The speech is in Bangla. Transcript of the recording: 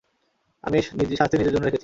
আমি এই শাস্তি নিজের জন্য রেখেছি।